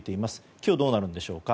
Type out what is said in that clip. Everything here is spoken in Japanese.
今日、どうなるのでしょうか。